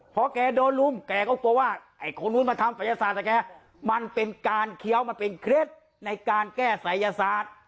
เป็นเคล็ดในการแก้ศัยศาสตร์